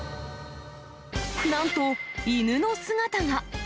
なんと、犬の姿が。